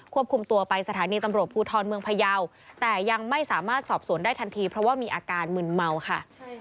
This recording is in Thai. คุมตัวไปสถานีตำรวจภูทรเมืองพยาวแต่ยังไม่สามารถสอบสวนได้ทันทีเพราะว่ามีอาการมึนเมาค่ะ